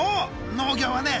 農業はね